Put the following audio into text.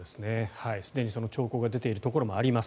すでにその兆候が出ているところもあります。